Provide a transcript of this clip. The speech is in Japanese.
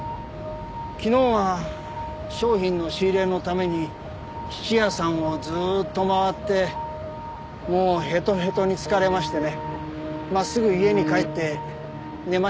昨日は商品の仕入れのために質屋さんをずっと回ってもうヘトヘトに疲れましてね真っすぐ家に帰って寝ました。